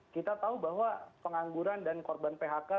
kita tahu bahwa pengangguran dan korban phk